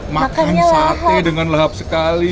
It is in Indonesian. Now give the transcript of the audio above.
makan sate dengan lehap sekali